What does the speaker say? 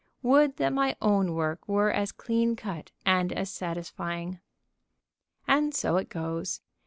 Would that my own work were as clean cut and as satisfying. And so it goes.